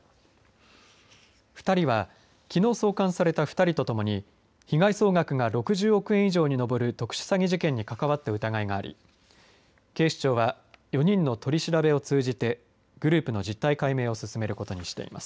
２人はきのう送還された２人とともに被害総額が６０億円以上に上る特殊詐欺事件に関わった疑いがあり警視庁は４人の取り調べを通じてグループの実態解明を進めることにしています。